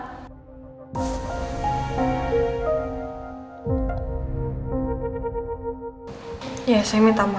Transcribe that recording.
karena kerja saya bales dua saya tidak bisa